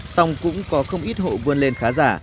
xong cũng có không ít hộ vươn lên khá giả